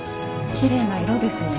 きれいな色ですよね。